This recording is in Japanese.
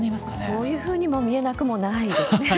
そういうふうにも見えなくもないですね。